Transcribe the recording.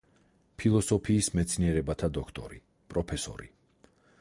ფილოსოფიის მეცნიერებათა დოქტორი, პროფესორი.